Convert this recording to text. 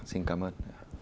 xin cảm ơn